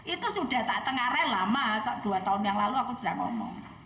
itu sudah tak tengah rel lama dua tahun yang lalu aku sudah ngomong